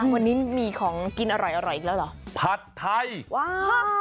วันนี้มีของกินอร่อยอีกแล้วเหรอ